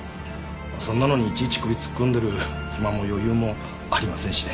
そんなのにいちいち首突っ込んでる暇も余裕もありませんしね